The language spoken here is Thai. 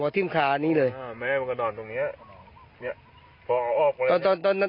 มันถิ่มขาแมวมันกระดอดตรงนี้